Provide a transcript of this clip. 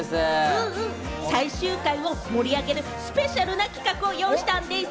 最終回を盛り上げるスペシャルな企画を用意したんでぃす。